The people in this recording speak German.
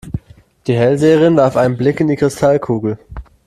Die Hellseherin warf einen Blick in die Kristallkugel.